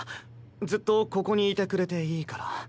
ずっとここにいてくれていいから。